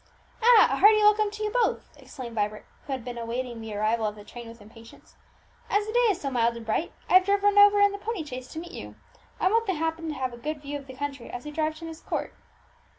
"Ah! a hearty welcome to you both!" exclaimed Vibert, who had been awaiting the arrival of the train with impatience. "As the day is so mild and bright, I have driven over in the pony chaise to meet you. I want the captain to have a good view of the country as we drive to Myst Court."